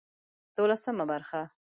دولسمه برخه